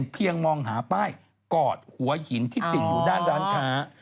เพียงมองหาป้ายกอดหัวหินที่ติดอยู่ด้านร้านค้า